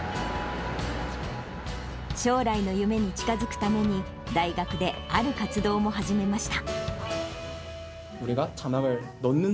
将来の夢に近づくために、大学である活動も始めました。